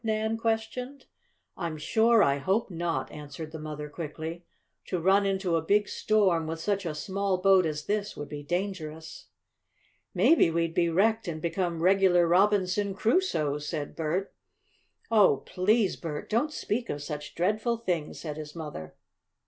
Nan questioned. "I'm sure I hope not!" answered the mother quickly. "To run into a big storm with such a small boat as this would be dangerous." "Maybe we'd be wrecked and become regular Robinson Crusoes," said Bert. "Oh, please, Bert! don't speak of such dreadful things!" said his mother.